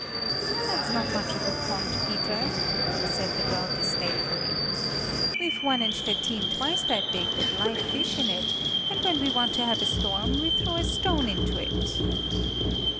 "That's not much of a pond, Peter," said the girl disdainfully. "We've one in Stettin twice that big with live fish in it, and when we want to have a storm we throw a stone into it."